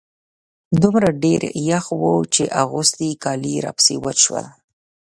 دومره ډېر يخ و چې اغوستي کالي راپسې وچ شول.